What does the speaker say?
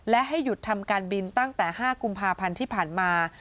และให้หยุดทำการบินตั้งแต่๕กุมภาพันธ์ที่ผ่านมา